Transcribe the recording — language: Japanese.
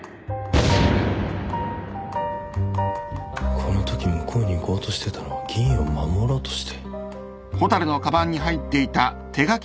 このとき向こうに行こうとしてたのは議員を守ろうとして？